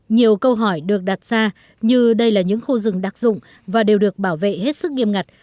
nhiều câu hỏi được đặt ra như đây là những khu rừng đặc dụng và đều được bảo vệ hết sức nghiêm ngặt